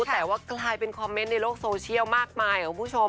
แต่ว่ากลายเป็นคอมเมนต์ในโลกโซเชียลมากมายคุณผู้ชม